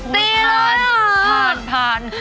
ตีอะไรเหรอผ่านผ่าน